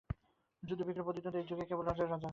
যুদ্ধবিগ্রহ, প্রতিদ্বন্দ্বিতা এ যুগে কেবল রাজায় রাজায়।